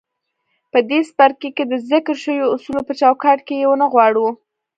په دې څپرکي کې د ذکر شويو اصولو په چوکاټ کې يې رانغاړو.